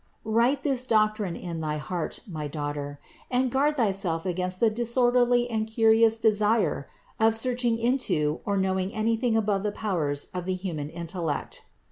529. Write this doctrine in thy heart, my daughter, and guard thyself against the disorderly and curious desire of searching into or knowing anything above the powers of the human intellect.